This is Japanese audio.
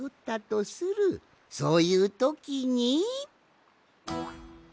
そういうときに。